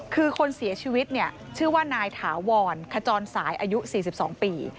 คือคนเสียชีวิตเนี่ยชื่อว่านายถาวรขจรสายอายุ๔๒ปี